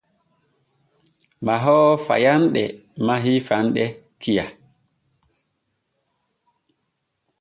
Mahoowo payanɗe mahii faande kiya.